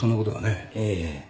ええ。